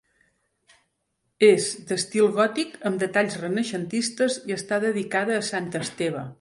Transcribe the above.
És d'estil gòtic amb detalls renaixentistes i està dedicada a Sant Esteve.